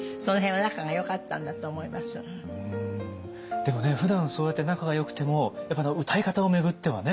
でもふだんそうやって仲がよくてもやっぱ歌い方を巡ってはね。